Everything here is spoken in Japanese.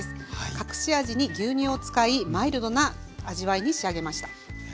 隠し味に牛乳を使いマイルドな味わいに仕上げました。